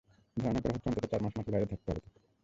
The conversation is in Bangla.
ধারণা করা হচ্ছে, অন্তত চার মাস মাঠের বাইরে থাকতে হবে তাঁকে।